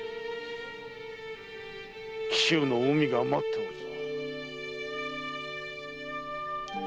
紀州の海が待ってるぞ。